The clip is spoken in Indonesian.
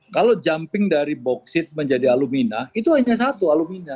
kalau jumping dari boksit menjadi alumina itu hanya satu alumina